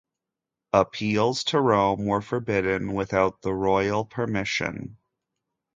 Appeals to Rome were forbidden without the royal permission.